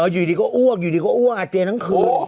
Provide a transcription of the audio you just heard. อยู่ดีก็อ้วกอยู่ดีก็อ้วกอาเจียนทั้งคืน